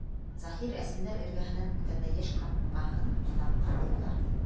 Заһир Әсмәләр эргәһенән үткәндә йәш ҡатынға һынап-һынап ҡарап уҙа.